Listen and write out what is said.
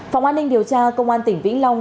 phòng an ninh điều tra công an tỉnh vĩnh long